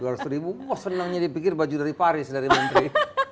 dua ratus ribu wah senangnya dipikir baju dari paris dari menteri